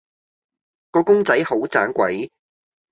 個公仔好盞鬼